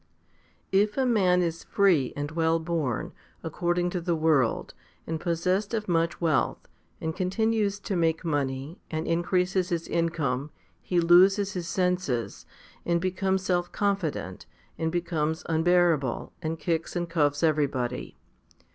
6. If a man is free and well born, according to the world, and possessed of much wealth, and continues to make money, and increases his income, he loses his senses, and becomes self confident, and becomes unbearable, and kicks and cuffs everybody.